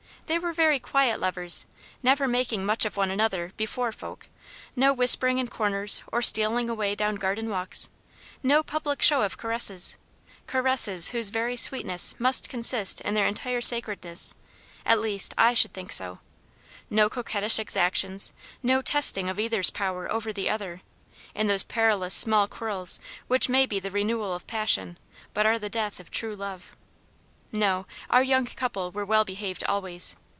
They were very quiet lovers, never making much of one another "before folk." No whispering in corners, or stealing away down garden walks. No public show of caresses caresses whose very sweetness must consist in their entire sacredness; at least, I should think so. No coquettish exactions, no testing of either's power over the other, in those perilous small quarrels which may be the renewal of passion, but are the death of true love. No, our young couple were well behaved always.